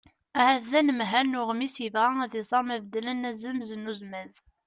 ahat d anemhal n uɣmis yebɣa ad iẓer ma beddlen azemz n uzmaz